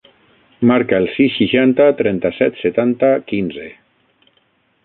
Marca el sis, seixanta, trenta-set, setanta, quinze.